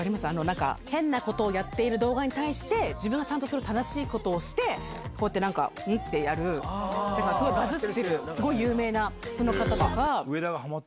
なんか変なことやっている動画に対して、自分がちゃんと、それを正しいことをして、こうやってなんか、にってやる、すごいバズってる、すごい有名なその方とか。